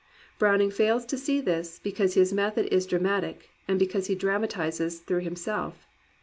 Browning fails to see this, because his method is dramatic and because he dramatizes through himself.